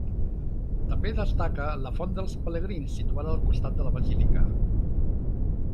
També destaca la Font dels Pelegrins, situada al costat de la basílica.